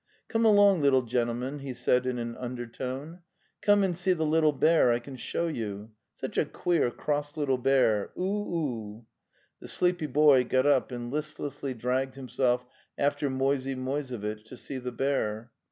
"Come along, little gentleman," he said in an undertone, '' come and see the little bear I can show you! Such a queer, cross little bear. Oo oo!"' The sleepy boy got up and listlessly dragged him self after Moisey Moisevitch to see the bear.